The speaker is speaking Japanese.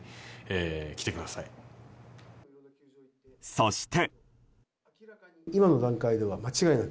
そして。